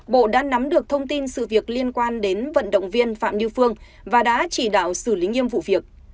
bộ đã nắm được thông tin sự việc liên quan đến vận động viên phạm như phương và đã chỉ đạo xử lý nghiêm vụ việc